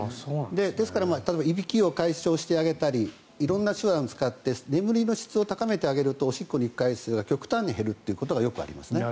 ですからいびきを解消してあげたり色んな手段を使って眠りの質を高めてあげるとおしっこに行く回数が極端に減るということがよくありますね。